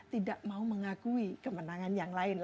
tidak mau mengakui kemenangan yang lain